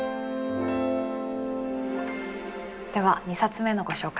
では２冊目のご紹介